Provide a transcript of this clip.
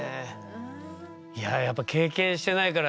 いややっぱ経験してないから